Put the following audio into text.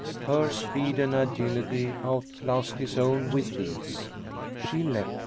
Her speed and agility out classed his own with ease. She leapt.